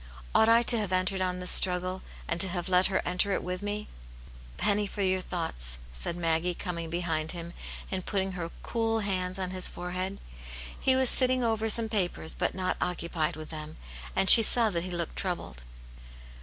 Ought I to have entered on this struggle, and to have let her enter it with me V "A penny for your thoughts!" said Maggie, Coming behind him, and putting her cool hands on his forehead. He was sitting over some papers, but not occupied with them, and she saw that he looked troubled.